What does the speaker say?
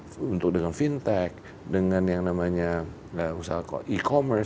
dan itu yang memutarinter wade white di kerjanya seperti secara di revisit dariumen inggris viewers